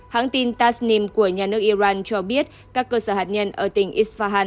hãng tin tasnim của nhà nước iran cho biết các cơ sở hạt nhân ở tỉnh isfahan